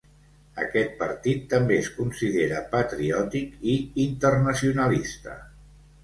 Aquest partit també es considera patriòtic i internacionalista.